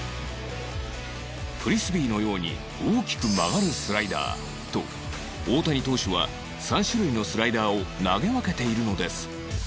フリスビーのように大きく曲がるスライダーと大谷投手は３種類のスライダーを投げ分けているのです